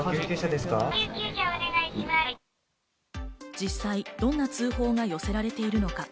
実際、どんな通報が寄せられているのか？